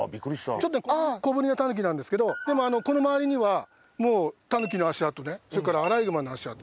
ちょっと小ぶりなタヌキなんですけどでもこの周りにはもうタヌキの足跡ねそれからアライグマの足跡